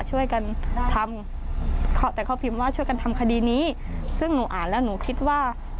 ช่วยกันทำแต่เขาพิมพ์ว่าช่วยกันทำคดีนี้ซึ่งหนูอ่านแล้วหนูคิดว่า